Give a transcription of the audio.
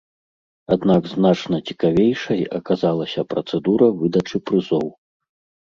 Аднак значна цікавейшай аказалася працэдура выдачы прызоў.